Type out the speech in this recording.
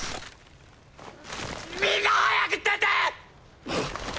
みんな早くでて！！は！？